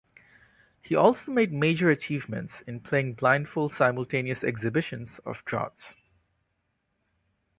He also made major achievements in playing blindfold simultaneous exhibitions of draughts.